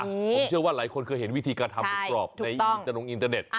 ผมเชื่อว่าหลายคนเคยเห็นวิธีการทำหมูกรอบในอินตรงอินเตอร์เน็ต